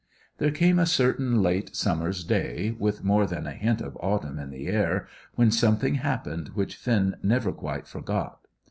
There came a certain late summer's day, with more than a hint of autumn in the air, when something happened which Finn never quite forgot.